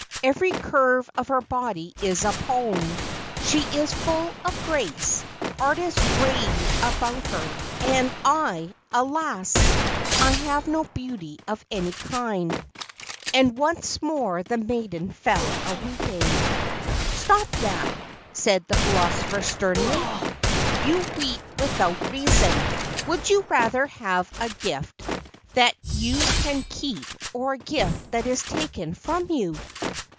Every curve of her body is a poem. She is full of grace. Artists rave about her. And I alas, I have no beauty of any kind." And once more the maiden fell a weeping. "Stop that," said the philosopher sternly; "you weep without reason; would you rather have a gift that you can keep or a gift that is taken from you?"